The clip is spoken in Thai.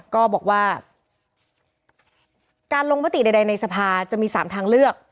ก็บอกว่าการลงมติใดในสภาจะมี๓ทางเลือก